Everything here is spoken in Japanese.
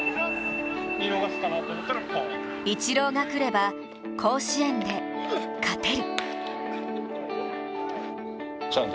イチローが来れば甲子園で勝てる。